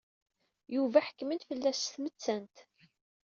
Yuba ḥekmen fell-as s tmettant.